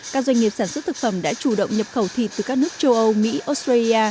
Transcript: các doanh nghiệp sản xuất thực phẩm đã chủ động nhập khẩu thịt từ các nước châu âu mỹ australia